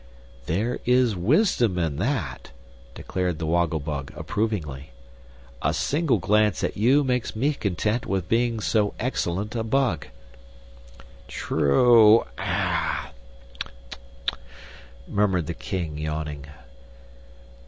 "There is wisdom in that," declared the Woggle Bug, approvingly; "a single glance at you makes me content with being so excellent a bug." "True," murmured the King, yawning.